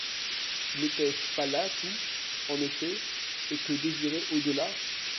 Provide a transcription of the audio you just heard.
N'est-ce pas là tout, en effet, et que désirer au-delà?